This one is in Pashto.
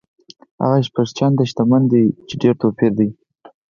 هغه شپږ چنده شتمن دی چې ډېر توپیر دی.